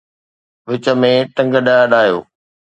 وچ ۾ ٽنگ نه اڏايو